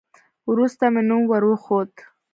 وروسته مې نوم ور وښود.